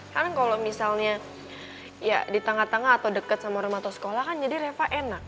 karena kalau misalnya ya di tengah tengah atau dekat sama remato sekolah kan jadi reva enak